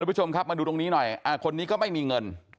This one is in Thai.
ผู้ชมครับมาดูตรงนี้หน่อยคนนี้ก็ไม่มีเงิน